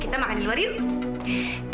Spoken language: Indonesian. kita makan di luar yuk